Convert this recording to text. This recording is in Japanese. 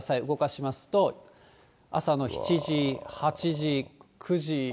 動かしますと、朝の７時、８時、９時。